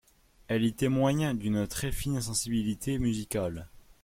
Elle y témoigne d'une très fine sensibilité musicale.